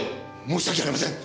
申し訳ありません！